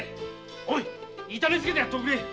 おい痛めつけてやっとくれ！